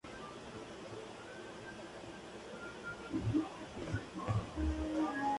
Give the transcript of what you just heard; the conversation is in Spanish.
Durante el verano, es probable que sucedan tifones.